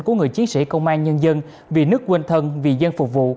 của người chiến sĩ công an nhân dân vì nước quên thân vì dân phục vụ